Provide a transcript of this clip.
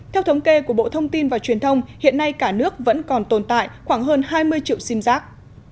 theo thống kê của bộ thông tin và truyền thông hiện nay cả nước vẫn còn tồn tại khoảng hơn hai mươi triệu sim giác